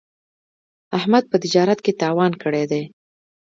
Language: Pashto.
احمد په تجارت کې تاوان کړی دی.